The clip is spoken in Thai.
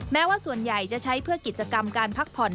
แม้ว่าส่วนใหญ่จะใช้เพื่อกิจกรรมการพักผ่อน